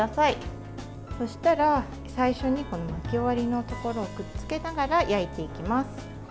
そうしたら最初に巻き終わりのところをくっつけながら焼いていきます。